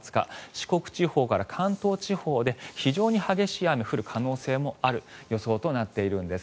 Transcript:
四国地方から関東地方で非常に激しい雨が降る可能性もある予想となっているんです。